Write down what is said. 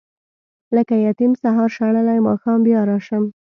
لکه یتیم سهار شړلی ماښام بیا راشم.